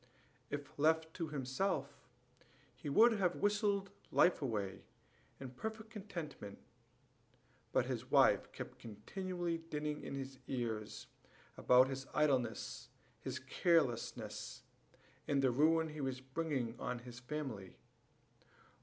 If left to himself, he would have whistled life away in perfect contentment; but his wife kept continually dinning in his ears about his idleness, his carelessness, and the ruin he was bringing on his family.